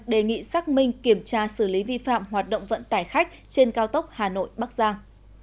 đề nghị xác minh kiểm tra xử lý vi phạm hoạt động vận tải khách trên cao tốc hà nội bắc giang